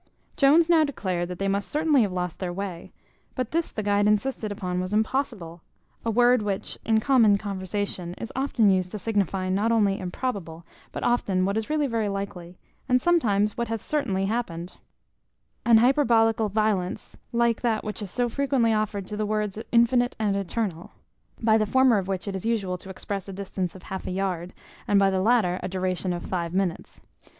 Jones now declared that they must certainly have lost their way; but this the guide insisted upon was impossible; a word which, in common conversation, is often used to signify not only improbable, but often what is really very likely, and, sometimes, what hath certainly happened; an hyperbolical violence like that which is so frequently offered to the words infinite and eternal; by the former of which it is usual to express a distance of half a yard, and by the latter, a duration of five minutes.